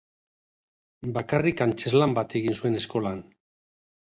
Bakarrik antzezlan bat egin zuen eskolan.